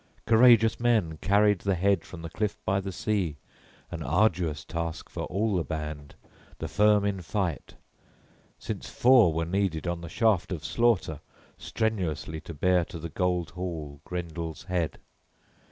Courageous men carried the head from the cliff by the sea, an arduous task for all the band, the firm in fight, since four were needed on the shaft of slaughter {23d} strenuously to bear to the gold hall Grendel's head.